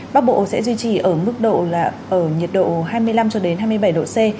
bắc bộ sẽ duy trì ở mức độ là ở nhiệt độ hai mươi năm cho đến hai mươi bảy độ c